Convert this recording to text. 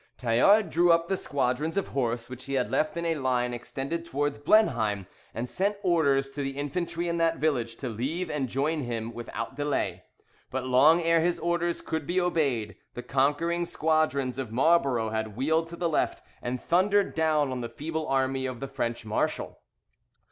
Tallard drew up the squadrons of horse which he had left in a line extended towards Blenheim, and sent orders to the infantry in that village to leave and join him without delay. But long ere his orders could be obeyed, the conquering squadrons of Marlborough had wheeled to the left and thundered down on the feeble army of the French marshal.